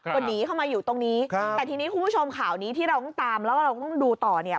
ก็หนีเข้ามาอยู่ตรงนี้แต่ทีนี้คุณผู้ชมข่าวนี้ที่เราต้องตามแล้วเราต้องดูต่อเนี่ย